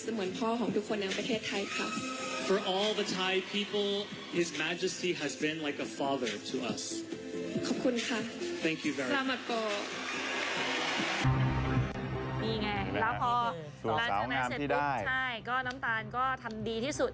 ไม่แต่ดิฉันเกิดมาก็เห็นท่านทำงานหนักมาตลอด